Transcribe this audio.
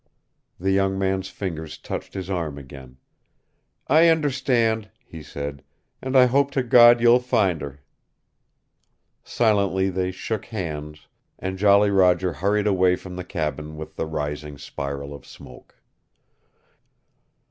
The young man's fingers touched his arm again. "I understand," he said, "and I hope to God you'll find her." Silently they shook hands, and Jolly Roger hurried away from the cabin with the rising spiral of smoke.